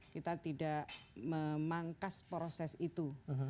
kita tidak memangkas proses itu